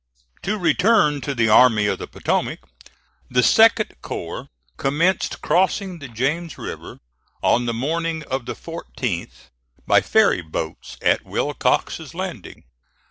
To return to the Army of the Potomac: The 2d corps commenced crossing the James River on the morning of the 14th by ferry boats at Wilcox's Landing.